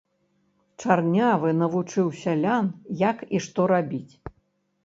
Чарнявы навучыў сялян, як і што рабіць.